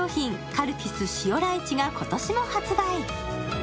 カルピス塩ライチが今年も発売。